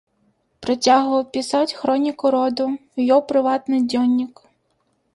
Працягваў пісаць хроніку роду, вёў прыватны дзённік.